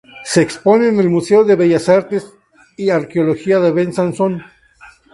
Se expone en el Museo de Bellas Artes y Arqueología de Besanzón.